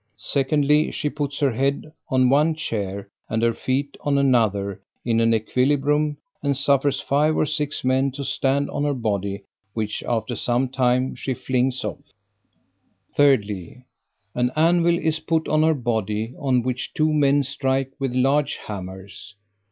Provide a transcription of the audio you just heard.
2ndly. She puts her head on one chair, and her feet on another, in an equilibrium, and suffers five or six men to stand on her body, which after some time she flings off. 3rdly. An anvil is put on her body, on which two men strike with large hammers.